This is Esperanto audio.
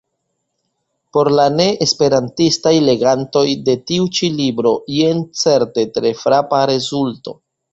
Por la ne-esperantistaj legantoj de tiu ĉi libro jen certe tre frapa rezulto.